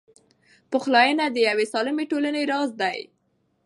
پخلاینه د یوې سالمې ټولنې راز دی.